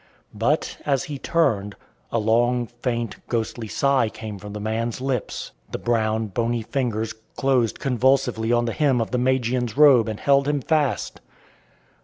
But, as he turned, a long, faint, ghostly sigh came from the man's lips. The brown, bony fingers closed convulsively on the hem of the Magian's robe and held him fast.